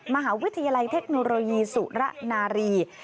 มหาวิทยาลัยเทคโนโลยีสุระนารี